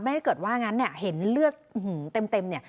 ถ้าเกิดว่างั้นเนี่ยเห็นเลือดเต็มเนี่ย